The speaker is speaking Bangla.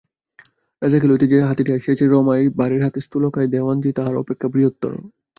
রাজাকে লইতে যে হাতীটি আসিয়াছে রমাই ভাঁড়ের মতে স্থূলকায় দেওয়ানজি তাহার অপেক্ষা বৃহত্তর।